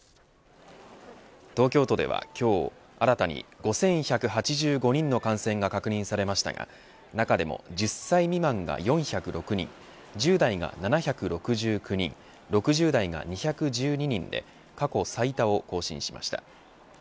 東京都では今日新たに５１８５人の感染が確認されましたが中でも、１０歳未満が４０６人１０代が７６９人６０代が２１２人で過去最多を更新しました。